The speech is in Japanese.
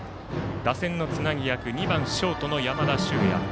打線のつなぎ役２番ショートの山田脩也。